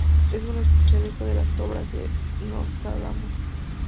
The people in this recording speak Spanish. Es un especialista de las obras de Nostradamus.